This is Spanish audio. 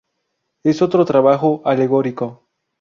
Es otro trabajo alegórico.